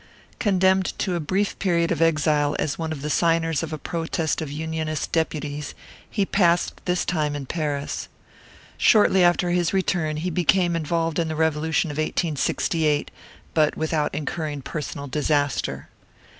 Condemned to a brief period of exile as one of the signers of a protest of Unionist deputies, he passed this time in Paris. Shortly after his return he became involved in the revolution of 1868, but without incurring personal disaster.